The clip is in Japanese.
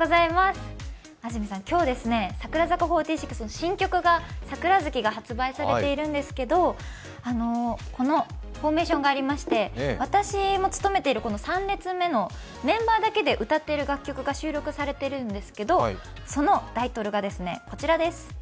今日、櫻坂４６の新曲、「桜月」が発売されてるんですけどこのフォーメーションがありまして、私も務めている３列目のメンバーだけで歌っている楽曲が収録されているんですけどそのタイトルがこちらです。